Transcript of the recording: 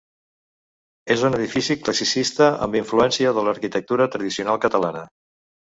És un edifici classicista amb influència de l'arquitectura tradicional catalana.